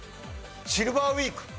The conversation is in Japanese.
シルバーウィーク。